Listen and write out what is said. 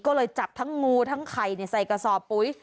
ก็เลยจับทั้งงูทั้งไข่ใส่กระสอบปุ๋ย